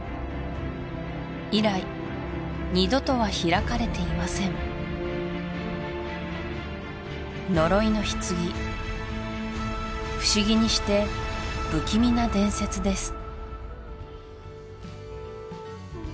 以来二度とは開かれていません呪いの棺不思議にして不気味な伝説です